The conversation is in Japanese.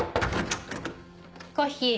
コッヒー。